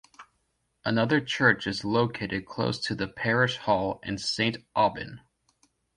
Another church is located close to the Parish Hall in Saint Aubin.